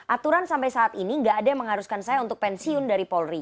aturan sampai saat ini nggak ada yang mengharuskan saya untuk pensiun dari polri